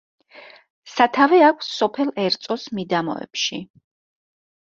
სათავე აქვს სოფელ ერწოს მიდამოებში.